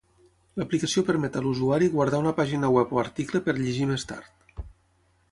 L'aplicació permet a l'usuari guardar una pàgina web o article per llegir més tard.